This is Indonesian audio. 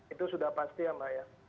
itu sudah pasti ya mbak ya